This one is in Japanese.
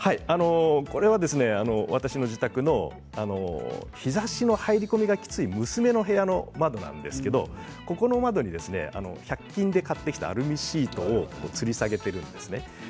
これは私の自宅の日ざしの入り込みがきつい娘の部屋の技なんですけどここの窓に１００均で買ってきたアルミシートをつり下げているんです。